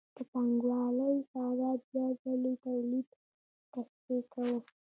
د پانګوالۍ ساده بیا ځلي تولید تشریح کوو